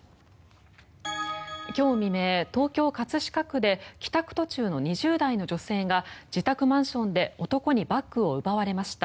今日未明、東京・葛飾区で帰宅途中の２０代の女性が自宅マンションで男にバッグを奪われました。